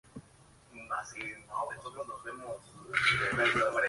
La turba logra capturarlo y lo dejan encadenado en un calabozo.